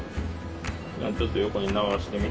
じゃあちょっと横に流してみ。